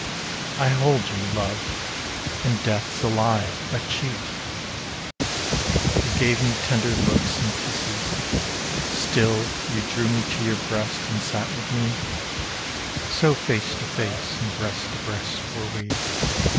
" I hold you, love, and Death's a lie, a cheat !" You gave me tender looks and kisses, still You drew me to your breast and sat with me ; So face to face and breast to breast were we.